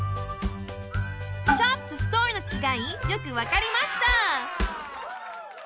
ショップとストアのちがいよくわかりました！